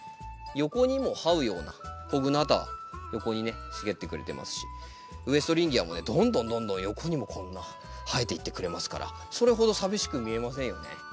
横にも這うようなコグナータ横にね茂ってくれてますしウエストリンギアもねどんどんどんどん横にもこんな生えていってくれますからそれほど寂しく見えませんよね。